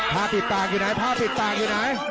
เออเป็นอย่างไร